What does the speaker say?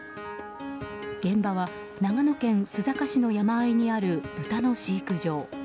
現場は長野県須坂市の山あいにある豚の飼育場。